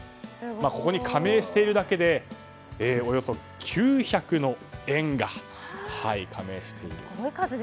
ここに加盟しているだけでおよそ９００の園が加盟しているという。